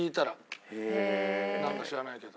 なんか知らないけど。